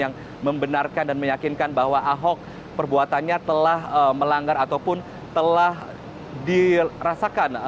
yang membenarkan dan meyakinkan bahwa ahok perbuatannya telah melanggar ataupun telah dirasakan